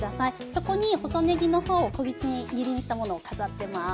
そこに細ねぎの葉を小口切りにしたものを飾ってます。